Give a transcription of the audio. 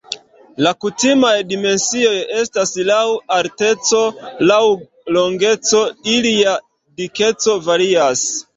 La kutimaj dimensioj estas laŭ alteco, laŭ longeco, ilia dikeco varias.